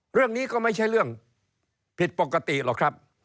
เรื่องนี้ก็ไม่ใช่เรื่องผิดปกติหรอกครับ